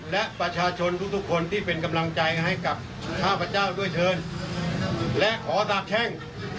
และประชาชนทุกทุกคนที่เป็นกำลังใจให้กับข้าพเจ้าด้วยเชิญและขอสาบแช่ง